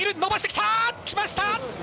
伸ばしてきたきました！